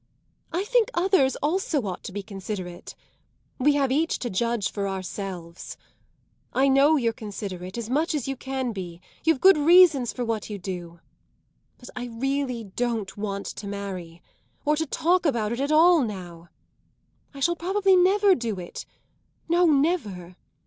I think others also ought to be considerate; we have each to judge for ourselves. I know you're considerate, as much as you can be; you've good reasons for what you do. But I really don't want to marry, or to talk about it at all now. I shall probably never do it no, never.